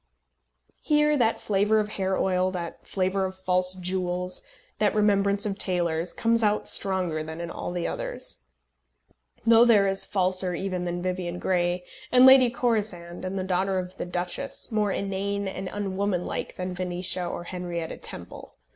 Here that flavour of hair oil, that flavour of false jewels, that remembrance of tailors, comes out stronger than in all the others. Lothair is falser even than Vivian Grey, and Lady Corisande, the daughter of the Duchess, more inane and unwomanlike than Venetia or Henrietta Temple.